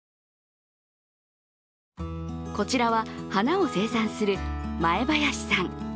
こちらは花を生産する前林さん。